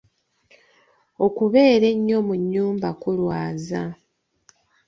Okubeera ennyo mu nnyumba kulwaza.